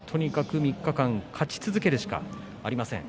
優勝するためにはとにかく３日間、勝ち続けるしかありません。